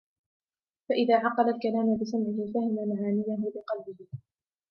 فَإِذَا عَقَلَ الْكَلَامَ بِسَمْعِهِ فَهِمَ مَعَانِيَهُ بِقَلْبِهِ